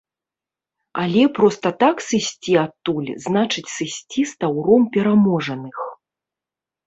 Але проста так сысці адтуль, значыць, сысці з таўром пераможаных.